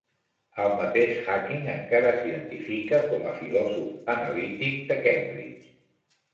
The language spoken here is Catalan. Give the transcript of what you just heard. El mateix Hacking encara s'identifica com a filòsof analític de Cambridge.